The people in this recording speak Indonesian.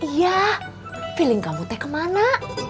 iya perasaan kamu kemana